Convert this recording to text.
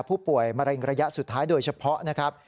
ผู้ป่วยมะเร็งระยะสุดท้ายโดยเฉพาะนะครับ